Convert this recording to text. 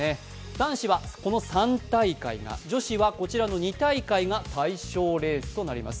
男子はこの３大会が、女子はこちらの２大会が対象レースとなります。